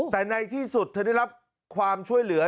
แต่ในที่สุดเธอได้รับความช่วยเหลือ